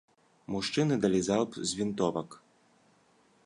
Мужчыны далі залп з вінтовак.